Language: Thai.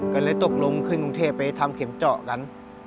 ก็เลยตกลงขึ้นกรุงเทพไปทำเข็มเจาะกัน